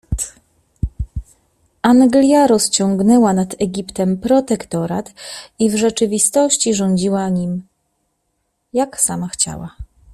Anglia rociągnęła nad Egiptem protektorat i w rzeczywistości rządziła nim, jak sama chciała.